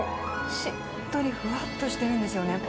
しっとりふわっとしてるんですよね。